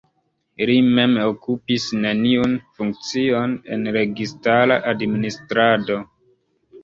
Li mem okupis neniun funkcion en registara administrado.